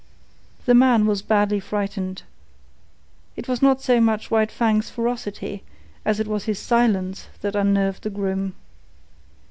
The man was badly frightened. It was not so much White Fang's ferocity as it was his silence that unnerved the groom.